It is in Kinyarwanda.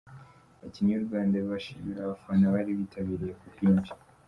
Abakinnyi b’u Rwanda bashimira abafana bari bitabiriye ku bwinshi